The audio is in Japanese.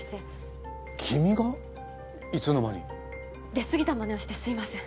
出過ぎたマネをしてすいません。